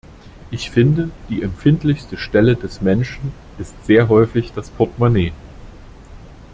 Ich finde, die empfindlichste Stelle des Menschen ist sehr häufig das Portemonnaie.